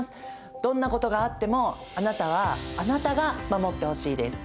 どんなことがあってもあなたはあなたが守ってほしいです。